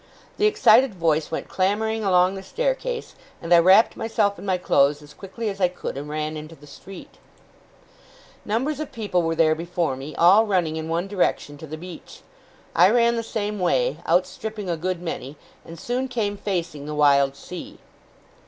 The excited voice went clamouring along the staircase; and I wrapped myself in my clothes as quickly as I could, and ran into the street. Numbers of people were there before me, all running in one direction, to the beach. I ran the same way, outstripping a good many, and soon came facing the wild sea.